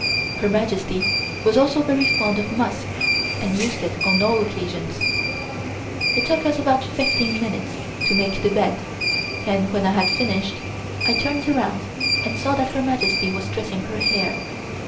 Her Majesty was also very fond of musk and used it on all occasions. It took us about fifteen minutes to make the bed, and when I had finished, I turned around and saw that Her Majesty was dressing her hair.